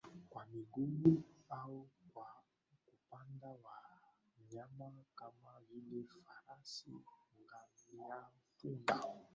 kwa miguu au kwa kupanda wanyama Kama vile farasi ngamiampunda